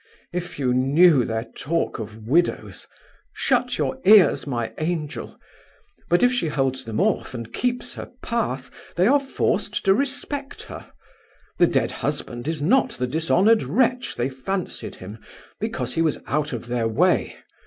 If you knew their talk of widows! Shut your ears, my angel! But if she holds them off and keeps her path, they are forced to respect her. The dead husband is not the dishonoured wretch they fancied him, because he was out of their way.